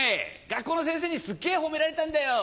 学校の先生にすっげぇ褒められたんだよ。